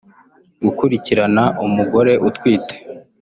gukurikirana umugore utwite